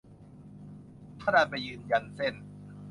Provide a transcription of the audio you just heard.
ถ้าดันไปยืนยันเส้น